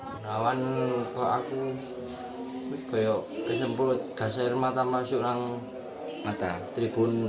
gunawan kalau aku gue semput gas air mata masuk ke tribun